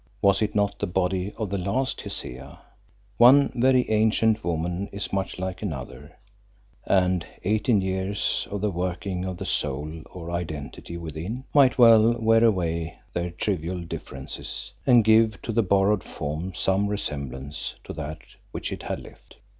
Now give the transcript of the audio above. Was it not the body of the last Hesea? One very ancient woman is much like another, and eighteen years of the working of the soul or identity within might well wear away their trivial differences and give to the borrowed form some resemblance to that which it had left.